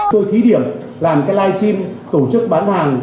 tôi thí điểm làm cái live stream tổ chức bán hàng